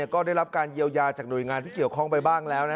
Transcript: ก็ได้รับการเยียวยาจากหน่วยงานที่เกี่ยวข้องไปบ้างแล้วนะ